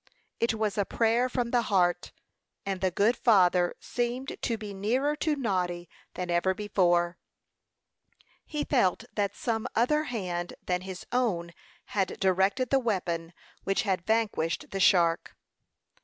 It was a prayer from the heart, and the good Father seemed to be nearer to Noddy than ever before. He felt that some other hand than his own had directed the weapon which had vanquished the shark.